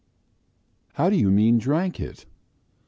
"How do you mean, drank it?"